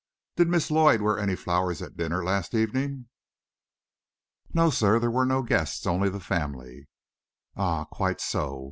"Did Miss Lloyd wear any flowers at dinner last evening?" "No, sir. There were no guests only the family." "Ah, quite so.